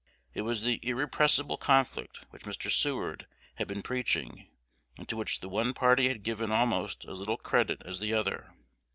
It was the "irrepressible conflict" which Mr. Seward had been preaching, and to which the one party had given almost as little credit as the other.